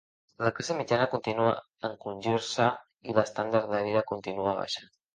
La classe mitjana continua a encongir-se i l'estàndard de vida continua baixant.